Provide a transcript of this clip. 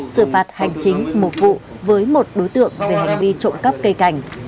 xử phạt hành chính một vụ với một đối tượng về hành vi trộm cắp cây cảnh